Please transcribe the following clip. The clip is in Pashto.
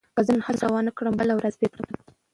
که زه نن هڅه ونه کړم، بله ورځ به پیل کړم.